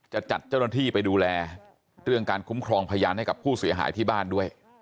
จะจัดเจ้าหน้าที่ไปดูแลเรื่องการคุ้มครองพยานให้กับผู้เสียหายที่บ้านด้วย